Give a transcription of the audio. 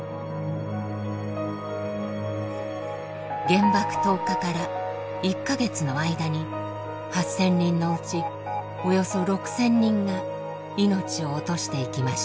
原爆投下から１か月の間に８，０００人のうちおよそ６，０００人が命を落としていきました。